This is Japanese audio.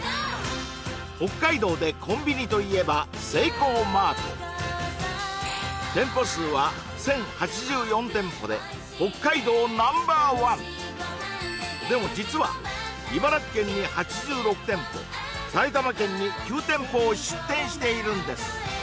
北海道でコンビニといえばセイコーマート店舗数は１０８４店舗で北海道Ｎｏ．１でも実は埼玉県に９店舗を出店しているんです！